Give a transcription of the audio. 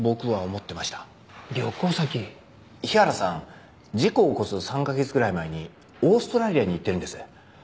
日原さん事故を起こす３カ月くらい前にオーストラリアに行ってるんです。